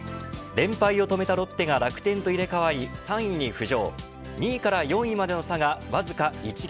連敗を止めたロッテが楽天と入れ替わり３位に浮上。